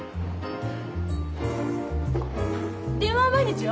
電話は毎日よ。